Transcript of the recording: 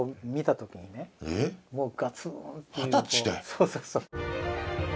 そうそうそう。